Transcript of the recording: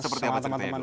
seperti apa teman teman